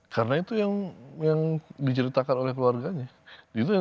karena itu yang diceritakan oleh keluarganya